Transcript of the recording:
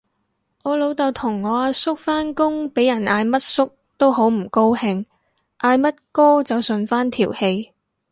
我老豆同我阿叔返工俾人嗌乜叔都好唔高興，嗌乜哥就順返條氣